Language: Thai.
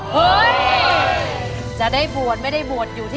มีอะไรล่ะครับ